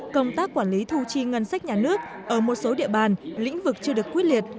công tác quản lý thu chi ngân sách nhà nước ở một số địa bàn lĩnh vực chưa được quyết liệt